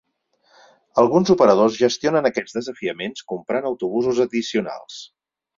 Alguns operadors gestionen aquests desafiaments comprant autobusos addicionals.